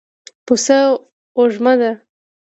پسه وږمه ده.